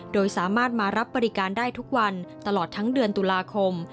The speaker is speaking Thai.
โดยสามารถมารับบริการได้ทุกวันตลอดทั้งเดือนตุลาคม